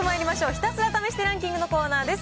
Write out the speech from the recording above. ひたすら試してランキングのコーナーです。